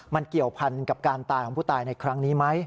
มันเกี่ยวพันกับการตายของผู้ตายในครั้งนี้ไหม